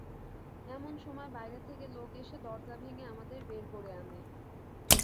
এমন সময় বাইরে থেকে লোক এসে দরজা ভেঙে আমাদের বের করে আনে।